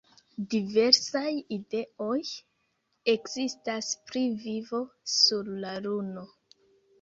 Diversaj ideoj ekzistas pri vivo sur la Luno.